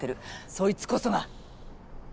そいつこそが。